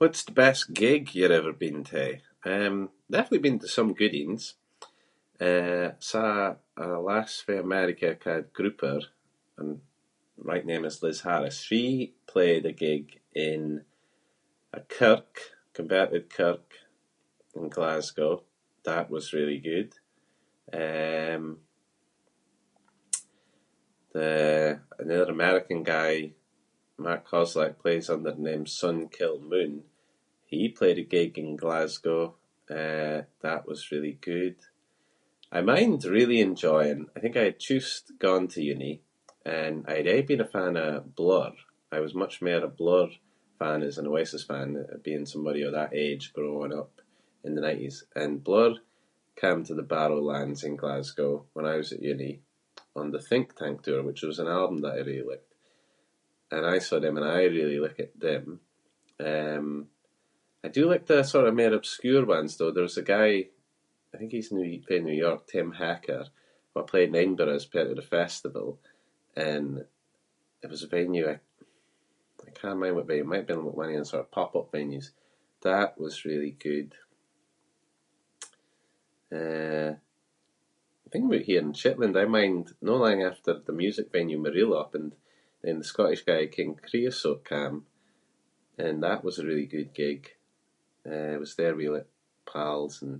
What’s the best gig you’re ever been to? Um, definitely been to some good ains. Eh, saw a lass fae America called Grouper- and right name is Liz Harris. She played a gig in a kirk- converted kirk in Glasgow. That was really good. Um, the- the other American guy, Mark Kozelek, plays under the name Sun Kil Moon- he played a gig in Glasgow. Eh, that was really good. I mind really enjoying- I think I had just gone to uni and I’d aie been a fan of Blur. I was much mair a Blur fan as an Oasis fan at- being somebody of that age growing up in the nineties and Blur came to the Barrowlands in Glasgow when I was at uni on the Think Tank tour which is an album that I really liked, and I saw them and I really liked them. Um, I do like the sort of mair obscure ones, though. There was a guy- I think he’s noo in New York- Tim Hecker who played in Edinburgh as part of the festival and it was a venue that- I cannae mind what venue but one of yon sort of pop-up venues. That was really good. Uh, I’m thinking aboot here in Shetland. I mind no lang after the music venue Mareel opened and the Scottish guy King Creosote came and that was a really good gig. Uh, I was there with, like, pals and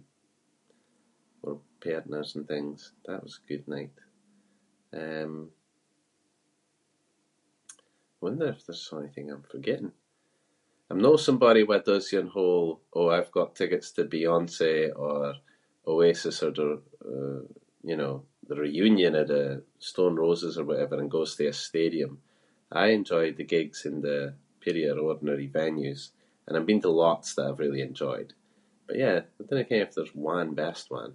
wir partners and things. That was a good night. Um, I wonder if there’s onything I’m forgetting. I’m no somebody who does your whole “oh I’ve got tickets to Beyonce” or Oasis or d- you know, the reunion of the Stone Roses or whatever and goes to a stadium. I enjoy the gigs in the peerie or ordinary venues and I’m been to lots that I’ve really enjoyed. But yeah, I dinna ken if there’s one best one.